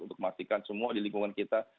untuk memastikan semua di lingkungan kita